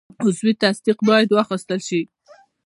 عضوي تصدیق باید واخیستل شي.